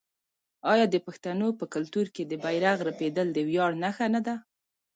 آیا د پښتنو په کلتور کې د بیرغ رپیدل د ویاړ نښه نه ده؟